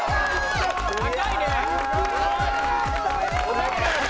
高いね！